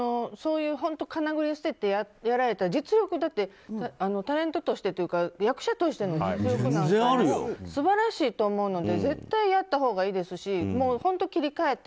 かなぐり捨ててやられててタレントとしてというか役者としての実力は素晴らしいと思うので絶対やったほうがいいですし本当切り替えて。